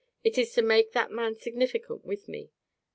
It is to make that man significant with me.